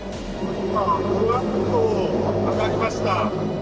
今フワッと上がりました。